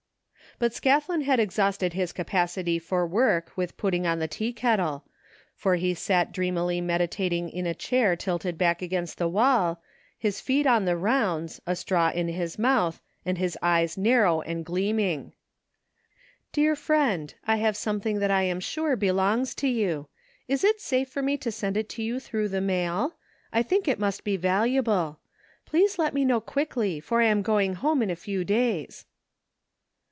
But Scathlin had exhausted his capacity for work with putting on the teakettle, for he sat dreamily medi tating in a chair tilted back against the wall, his feet on the rounds, a straw in his mouth, and his eyes nar row and gleaming. " Dear friend : I have something that I am sure belongs to you. Is it safe for me to send it to you through the mail ? I think it must be valuable. Please let me know quickly for I am going home in a few days."